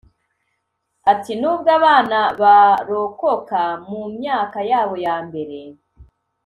Ati “Nubwo abana barokoka mu myaka yabo ya mbere